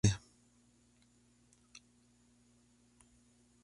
Las escenas son filmadas en la escuela Cheadle Hulme.